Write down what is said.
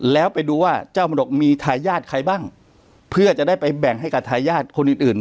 แล้วไปดูว่าเจ้ามรดกมีทายาทใครบ้างเพื่อจะได้ไปแบ่งให้กับทายาทคนอื่นอื่น